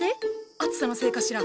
暑さのせいかしら。